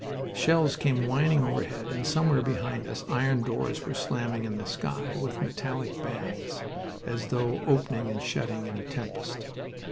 Shells came whining overhead and somewhere behind us iron doors were slamming in the sky, with metallic bangs, as though opening and shutting in a tempest.